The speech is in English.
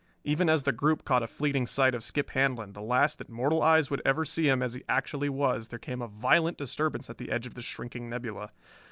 Even as the group caught a fleeting sight of Skip Handlon, the last that mortal eyes would ever see of him as he actually was, there came a violent disturbance at the edge of the shrinking nebula.